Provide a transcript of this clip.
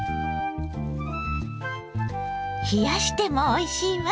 冷やしてもおいしいわ。